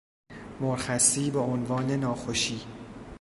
مرخصی بعنوان ناخوشی